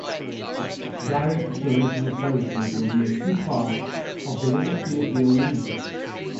Direct international services will be a key part of the legacy of the Olympics.